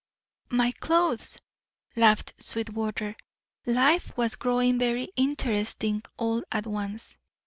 "My clothes!" laughed Sweetwater. Life was growing very interesting all at once.